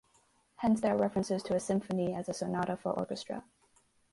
Hence there are references to a symphony as a "sonata for orchestra".